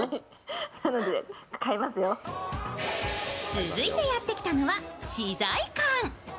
続いてやってきたのは資材館。